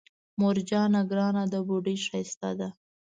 مور جانه ګرانه ده بوډۍ ښايسته ده